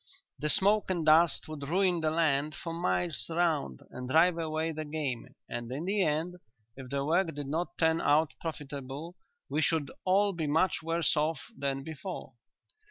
The smoke and dust would ruin the land for miles round and drive away the game, and in the end, if the work did not turn out profitable, we should all be much worse off than before."